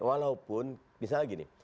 walaupun misalnya gini